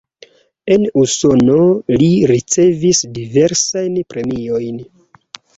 En Usono li ricevis diversajn premiojn.